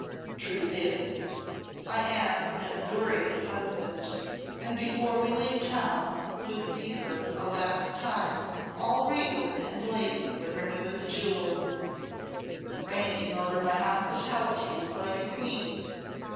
Truth is, I am an uxorious husband, and before we leave town would see her a last time all regal and blazing with her newest jewels; reigning over my hospitalities like a Queen.